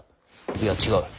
いや違う。